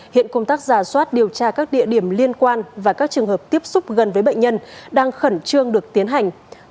hiện công tác giả soát điều tra các địa điểm liên quan và các trường hợp tiếp xúc gần với bệnh nhân đang khẩn trương được tiến hành